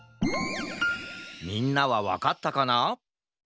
みんなはわかったかな？